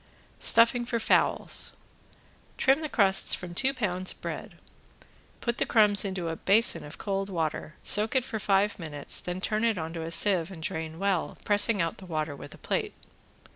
~STUFFING FOR FOWLS~ Trim off the crusts from two pounds of bread, put the crumbs into a basin of cold water, soak it for five minutes then turn it onto a sieve and drain well, pressing out the water with a plate.